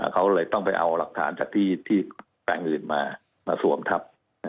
เขาเลยต้องไปเอาหลักฐานจากที่แปลงอื่นมามาสวมทับ